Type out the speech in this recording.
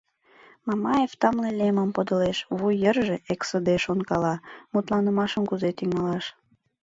Мамаев тамле лемым подылеш, вуй йырже эксыде шонкала: мутланымашым кузе тӱҥалаш?